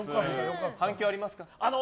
反響はありますか？